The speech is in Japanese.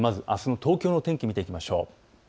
あすの東京の天気を見ていきましょう。